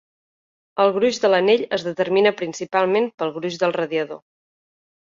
El gruix de l'anell es determina principalment pel gruix del radiador.